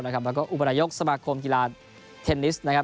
ยังเป็นอุบันยกสามาคมกีฬาเทนนิส